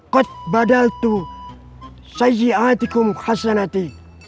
qad badaltu saji'atikum khasanati